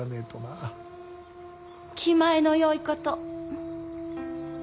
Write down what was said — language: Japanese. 気前のよいこと。